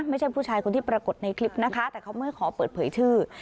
ไม่ใช่ผู้ชายคนที่ปรากฏในคลิปนะคะแต่เขาไม่ขอเปิดเผยชื่อ